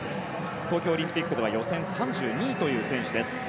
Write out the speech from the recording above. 東京オリンピックでは予選３２位という選手です。